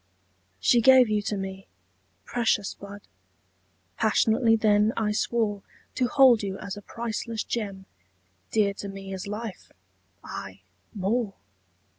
She gave you to me. Precious bud! Passionately then I swore To hold you as a priceless gem, Dear to me as life aye more!